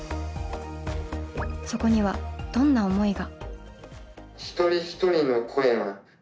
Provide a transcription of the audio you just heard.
そこにはどんな思いが。